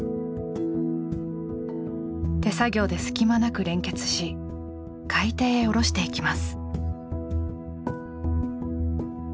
手作業で隙間なく連結し海底へ下ろしていきます。